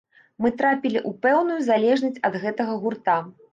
Мы трапілі ў пэўную залежнасць ад гэтага гурта.